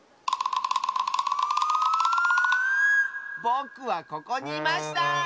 ぼくはここにいました！